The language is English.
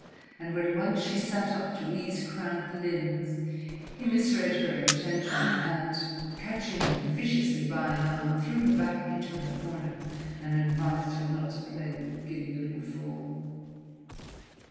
And when once she sat up to ease cramped limbs, he misread her intention and, catching her viciously by an arm, threw her back into her corner and advised her not to play the giddy little fool.